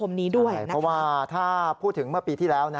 เพราะว่าถ้าพูดถึงเมื่อปีที่แล้ว